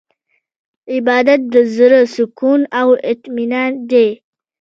عبادت د زړه سکون او اطمینان دی.